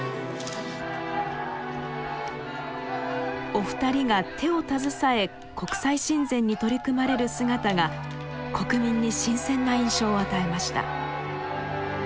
お二人が手を携え国際親善に取り組まれる姿が国民に新鮮な印象を与えました。